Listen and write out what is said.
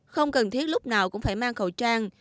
không cần thiết lúc nào cũng phải mang khẩu trang